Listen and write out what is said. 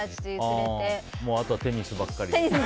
あとはテニスばっかり？